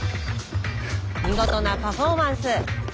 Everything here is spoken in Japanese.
見事なパフォーマンス。